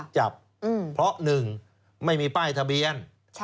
จับเพราะ๑ไม่มีป้ายทะเบียน